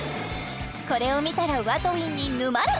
これを見たらＷＡＴＷＩＮＧに沼る！